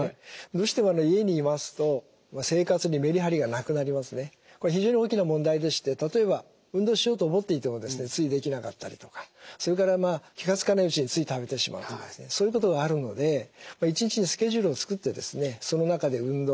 どうしてもこれ非常に大きな問題でして例えば運動しようと思っていてもついできなかったりとかそれから気が付かないうちについ食べてしまうというそういうことがあるので１日のスケジュールを作ってその中で運動